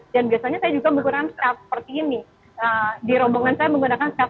dan biasanya saya juga menggunakan strap